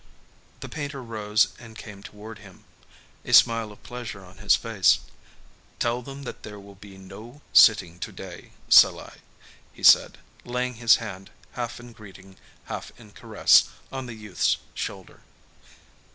The painter rose and came toward him, a smile of pleasure on his face. "Tell them that there will be no sitting to day, Salai," he said, laying his hand, half in greeting, half in caress, on the youth's shoulder.